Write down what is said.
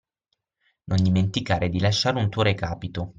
Non dimenticare di lasciare un tuo recapito